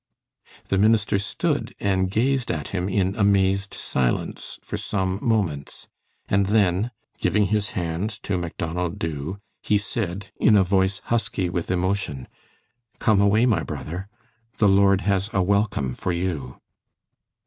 The minister stood and gazed at him in amazed silence for some moments, and then, giving his hand to Macdonald Dubh, he said, in a voice husky with emotion: "Come away, my brother. The Lord has a welcome for you."